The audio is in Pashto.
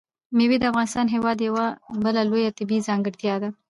مېوې د افغانستان هېواد یوه بله لویه طبیعي ځانګړتیا ده.